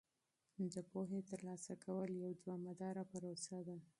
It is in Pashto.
د پوهې ترلاسه کول یوه دوامداره پروسه ده.